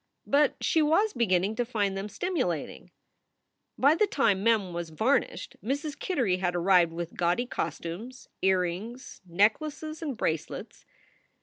But she was beginning to find them stimulating. By the time Mem was varnished Mrs. Kittery had arrived with gaudy costumes, earrings, necklaces, and bracelets.